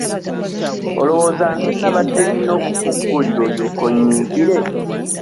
Olowooza nze nnabadde nnina okukuggulira olyoke onnyiigire?